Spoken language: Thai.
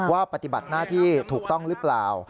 ปฏิบัติหน้าที่ถูกต้องหรือเปล่า